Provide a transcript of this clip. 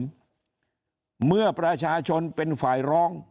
เพราะฉะนั้นเมื่อประชาชนเป็นฝ่ายร้อง